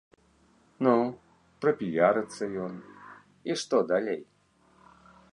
Ну, прапіярыцца ён, і што далей?